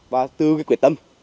và tư quyết tâm